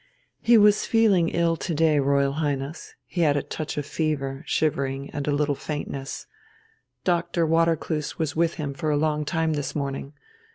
"He was feeling ill to day, Royal Highness. He had a touch of fever, shivering, and a little faintness. Dr. Watercloose was with him for a long time this morning.